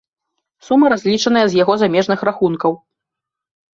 Сума разлічаная з яго замежных рахункаў.